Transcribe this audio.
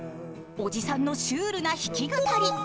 おじさんのシュールな弾き語り。